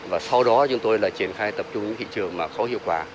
và sau đó chúng tôi lại triển khai tập trung những thị trường mà khó hiệu quả